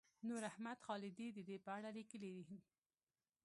نوراحمد خالدي د دې په اړه لیکلي.